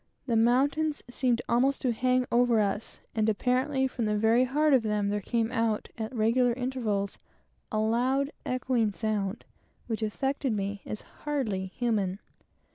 The mountains seemed almost to hang over us, and apparently from the very heart there came out, at regular intervals, a loud echoing sound, which affected me as hardly human.